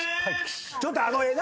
ちょっとあの絵何？